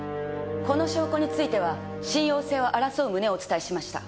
この証拠については信用性を争う旨をお伝えしました。